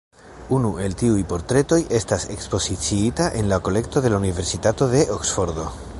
Unu el tiuj portretoj estas ekspoziciita en la kolekto de la Universitato de Oksfordo.